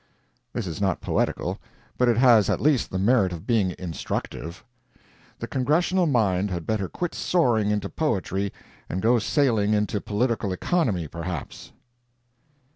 This is not poetical, but it has at least the merit of being instructive. The Congressional mind had better quit soaring into poetry and go to sailing into political economy, perhaps.